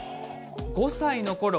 ５歳のころ